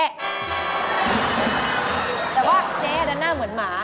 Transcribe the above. แต่ว่าเจ๊ดันหน้าเหมือนหมา